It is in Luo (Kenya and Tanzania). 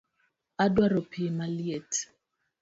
Adwaro pii maliet